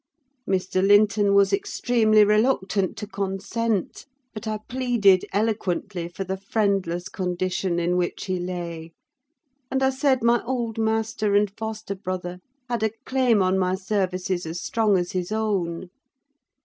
Mr. Linton was extremely reluctant to consent, but I pleaded eloquently for the friendless condition in which he lay; and I said my old master and foster brother had a claim on my services as strong as his own.